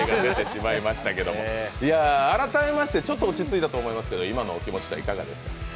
改めまして、ちょっと落ち着いたと思いますけど、今のお気持ちはいかがですか？